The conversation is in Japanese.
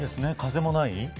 風もない。